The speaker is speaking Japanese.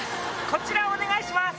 こちらお願いします。